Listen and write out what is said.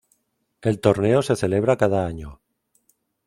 El torneo se celebra cada año.